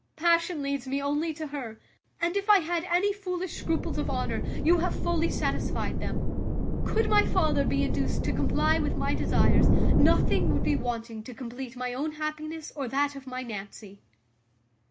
Passion leads me only to her; and, if I had any foolish scruples of honour, you have fully satisfied them: could my father be induced to comply with my desires, nothing would be wanting to compleat my own happiness or that of my Nancy."